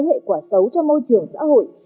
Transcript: hệ quả xấu cho môi trường xã hội